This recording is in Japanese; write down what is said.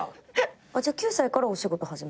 じゃあ９歳からお仕事始めてるんですか？